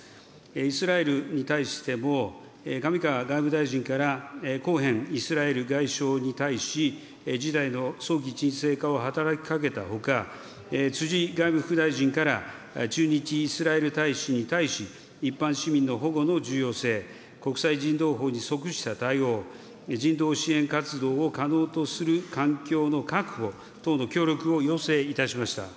イスラエルに対しても、上川外務大臣からコウヘンイスラエル外相に対し、事態の早期沈静化を働きかけたほか、つじ外務副大臣から、駐日イスラエル大使に対し、一般市民の保護の重要性、国際人道法に則した対応、人道支援活動を可能とする環境の確保等の協力を要請いたしました。